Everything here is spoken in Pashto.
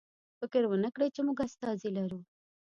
فکر ونکړئ چې موږ استازی لرو.